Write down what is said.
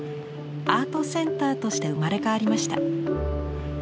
アートセンターとして生まれ変わりました。